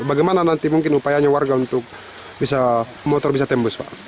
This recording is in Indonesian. bagaimana nanti mungkin upayanya warga untuk bisa motor bisa tembus pak